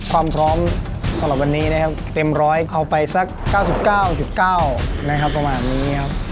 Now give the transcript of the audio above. ความพร้อมของเราวันนี้เต็มร้อยเอาไปสัก๙๙๙ประมาณนี้ครับ